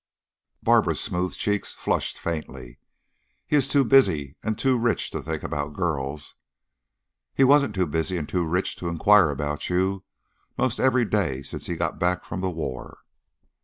Barbara's smooth cheeks flushed faintly. "He is too busy and too rich to think about girls." "He wasn't too busy and too rich to inquire about you 'most every day since he got back from the war."